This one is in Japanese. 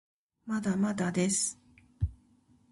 まだまだです